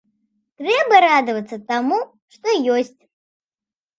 Трэба радавацца таму, што ёсць.